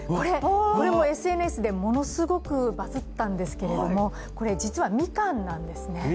これもＳＮＳでものすごくバズったんですけれどもこれ実は、みかんなんですね。